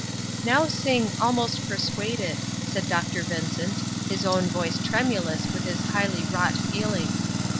"Now sing 'Almost persuaded,'" said Dr. Vincent, his own voice tremulous with his highly wrought feeling.